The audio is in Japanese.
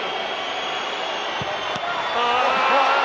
ああ。